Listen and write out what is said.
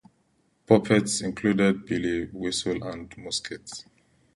Puppets included Billy Whistle and Muskit.